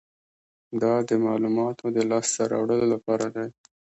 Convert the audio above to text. دا د معلوماتو د لاسته راوړلو لپاره دی.